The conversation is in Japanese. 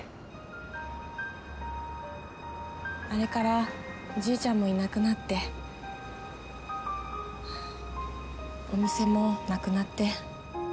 あれからおじいちゃんもいなくなってお店もなくなって。